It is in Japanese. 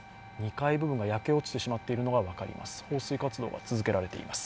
２階部分が焼け落ちてしまっているのが分かります。